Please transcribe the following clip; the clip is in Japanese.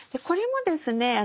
これもですね